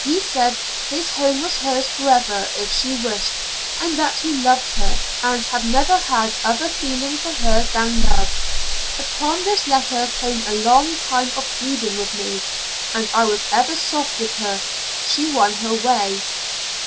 He said his home was hers forever if she wished, and that he loved her, and had never had other feeling for her than love. Upon this letter came a long time of pleading with me and I was ever soft with her. She won her way.